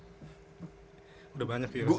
udah banyak viewers ya